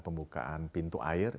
pembukaan pintu air